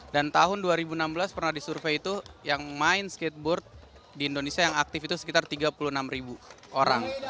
tahun dua ribu enam belas pernah disurvey itu yang main skateboard di indonesia yang aktif itu sekitar tiga puluh enam ribu orang